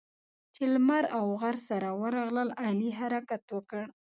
چې لمر او غر سره ورغلل؛ علي حرکت وکړ.